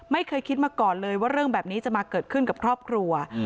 ไม่เคยคิดมาก่อนเลยว่าเรื่องแบบนี้จะมาเกิดขึ้นกับครอบครัว